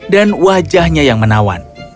dan wajahnya yang menawan